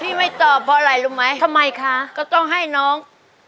ไม่ตอบเพราะอะไรรู้ไหมทำไมคะก็ต้องให้น้อง